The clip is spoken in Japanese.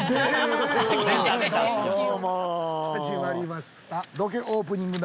始まりました。